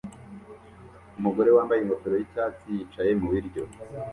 Umugore wambaye ingofero yicyatsi yicaye mubiryo